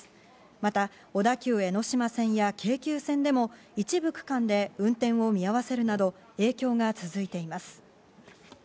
また小田急江ノ島線や京急線でも一部区間で運転を見合わせるなど影響が続いています。